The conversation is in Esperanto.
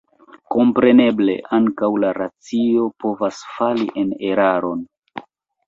Kompreneble, ankaŭ la racio povas fali en eraron.